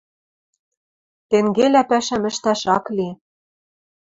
Тенгелӓ пӓшӓм ӹштӓш ак ли.